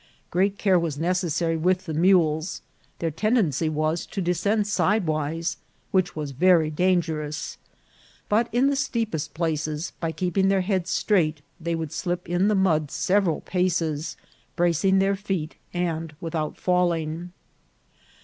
Great care was necessary with the mules ; their tendency was to descend sidewise, which was very dangerous ; but in the steepest places, by keeping their heads straight, they would slip in the mud several paces, bracing their feet and without falling.